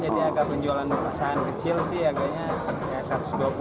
jadi harga penjualan perasaan kecil sih harganya rp satu ratus dua puluh